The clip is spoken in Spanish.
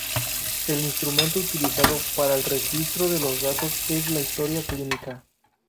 El instrumento utilizado para el registro de los datos es la historia clínica.